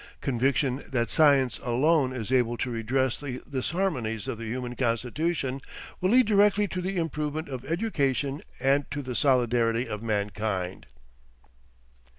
Conviction that science alone is able to redress the disharmonies of the human constitution will lead directly to the improvement of education and to the solidarity of mankind.